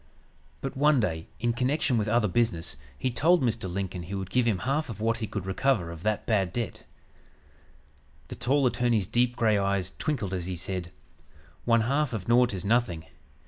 "But one day, in connection with other business, he told Mr. Lincoln he would give him half of what he could recover of that bad debt. The tall attorney's deep gray eyes twinkled as he said, 'One half of nought is nothing.